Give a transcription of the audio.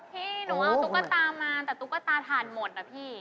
พี่หนูเอาตุ๊กตามาแต่ตุ๊กตาถ่านหมดนะพี่